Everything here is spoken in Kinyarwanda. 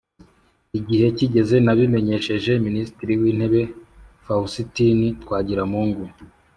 igihe kigeze nabimenyesheje minisitiri w'intebe fawusitini twagiramungu